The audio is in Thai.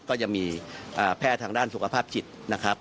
ก็จะมีแพทย์ทางด้านสุขภาพจิตนะครับ